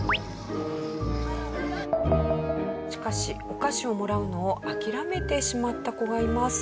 しかしお菓子をもらうのを諦めてしまった子がいます。